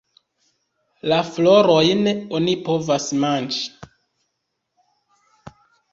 La florojn oni povas manĝi.